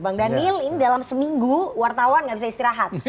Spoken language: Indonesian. bang daniel ini dalam seminggu wartawan gak bisa istirahat